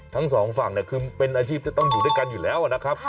ทั้งสองฝั่งคือเป็นอาชีพจะต้องอยู่ด้วยกันอยู่แล้วนะครับ